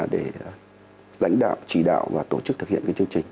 để lãnh đạo chỉ đạo và tổ chức thực hiện chương trình